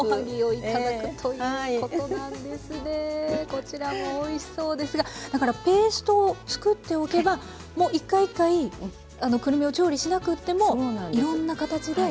こちらもおいしそうですがだからペーストをつくっておけばもう一回一回くるみを調理しなくってもいろんな形で。